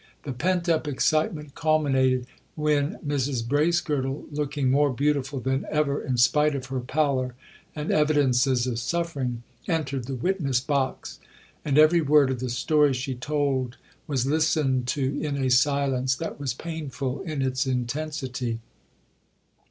The pent up excitement culminated when Mrs Bracegirdle, looking more beautiful than ever in spite of her pallor and evidences of suffering, entered the witness box; and every word of the story she told was listened to in a silence that was painful in its intensity.